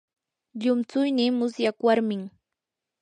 llumtsuynii musyaq warmin.